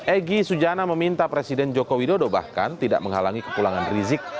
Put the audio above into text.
egy sujana meminta presiden joko widodo bahkan tidak menghalangi kepulangan rizik